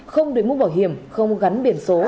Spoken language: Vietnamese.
không đuổi mũ bảo hiểm không gắn biển số